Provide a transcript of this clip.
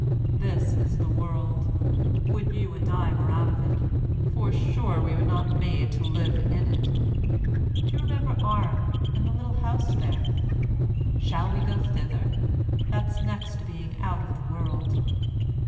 This is the world; would you and I were out of it: for, sure, we were not made to live in it. Do you remember Arme and the little house there? Shall we go thither? that's next to being out of the world.